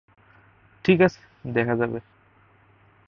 ঠিক আছে দেখা যাবে।